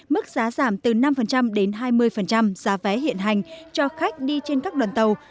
mức giá giảm từ năm đến hai mươi giá vé hiện hành cho khách đi trên các đoàn tàu